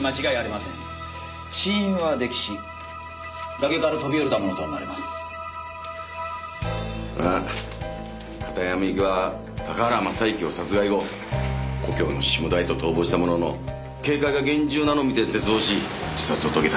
まあ片山みゆきは高原雅之を殺害後故郷の下田へと逃亡したものの警戒が厳重なのを見て絶望し自殺を遂げた。